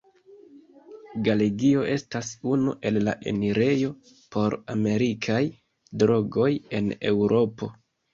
Galegio estas unu el la enirejo por amerikaj drogoj en Eŭropo.